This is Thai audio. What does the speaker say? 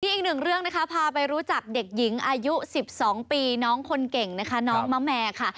อีกหนึ่งเรื่องนะคะพาไปรู้จักเด็กหญิงอายุ๑๒ปีน้องคนเก่งนะคะน้องมะแมค่ะ